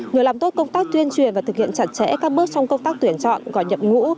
nhờ làm tốt công tác tuyên truyền và thực hiện chặt chẽ các bước trong công tác tuyển chọn gọi nhập ngũ